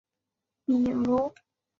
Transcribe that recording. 比如